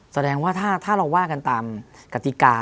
แสดงว่าถ้าเราว่ากันตามกติกา